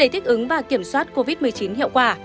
để thích ứng và kiểm soát covid một mươi chín hiệu quả